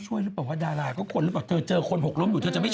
หรืออะไรสักอย่างหนึ่งใช่ไหม